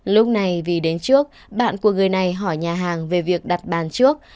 lúc này vì đến trước bạn của người này hỏi nhà hàng về việc đặt bàn trước